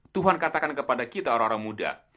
tuhan katakan kepada kita orang orang muda